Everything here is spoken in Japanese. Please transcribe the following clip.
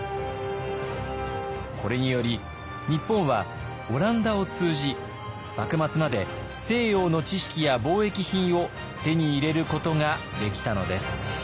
これにより日本はオランダを通じ幕末まで西洋の知識や貿易品を手に入れることができたのです。